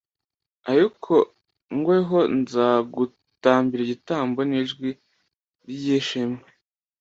Ariko ngweho nzagutambira igitambo n’ijwi ry’ishimwe